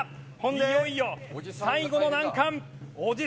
いよいよ最後の難関おじさん